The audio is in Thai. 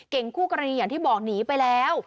คู่กรณีอย่างที่บอกหนีไปแล้ว